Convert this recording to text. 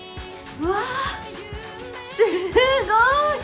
うわすごい！